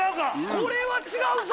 これは違うぞ！